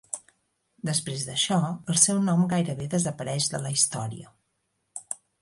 Després d'això el seu nom gairebé desapareix de la història.